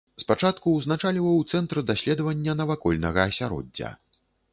Спачатку ўзначальваў цэнтр даследавання навакольнага асяроддзя.